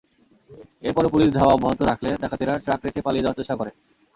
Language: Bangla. এরপরও পুলিশ ধাওয়া অব্যাহত রাখলে ডাকাতেরা ট্রাক রেখে পালিয়ে যাওয়ার চেষ্টা করে।